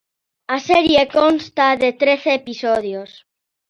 A serie consta de trece episodios.